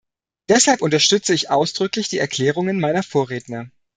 Deshalb unterstütze ich ausdrücklich die Erklärungen meiner Vorredner.